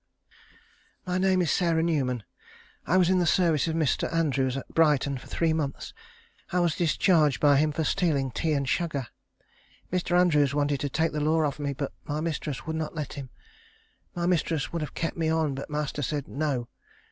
My name is Sarah Newman. I was in the service of Mr. Andrews at Brighton for three months. I was discharged by him for stealing tea and sugar. Mr. Andrews wanted to take the law of me, but my mistress would not let him. My mistress would have kept me on, but master said, No.